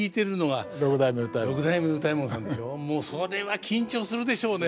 もうそれは緊張するでしょうね。